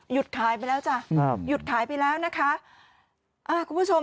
หยุดขายไปแล้วจ้ะหยุดขายไปแล้วนะคะคุณผู้ชม